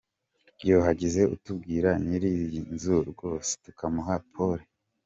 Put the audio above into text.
Yooo hagize utubwira nyiri iyi nzu rwose tukamuha pole.